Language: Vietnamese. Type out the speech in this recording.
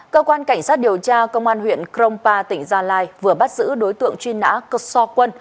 cơ quan cảnh sát điều tra công an huyện krongpa tỉnh gia lai vừa bắt giữ đối tượng truy nã so quân